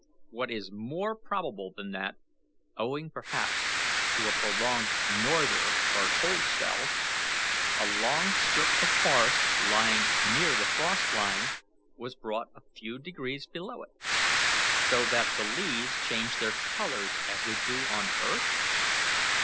What is more probable than that, owing perhaps to a prolonged norther or cold spell, a long strip of forest lying near the frost line was brought a few degrees below it, so that the leaves changed their colours as they do on earth?